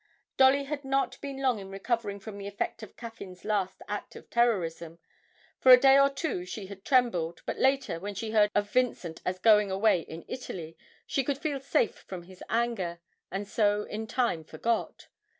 Dolly had not been long in recovering from the effect of Caffyn's last act of terrorism; for a day or two she had trembled, but later, when she heard of Vincent as away in Italy, she could feel safe from his anger, and so in time forgot.